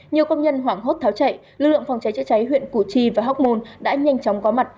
nhiều công nhân hoảng hốt tháo chạy lực lượng phòng cháy chữa cháy huyện củ chi và hóc môn đã nhanh chóng có mặt